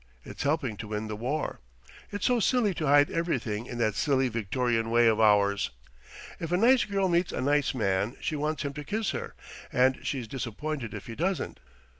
It's helping to win the war. It's so silly to hide everything in that silly Victorian way of ours. If a nice girl meets a nice man she wants him to kiss her, and she's disappointed if he doesn't.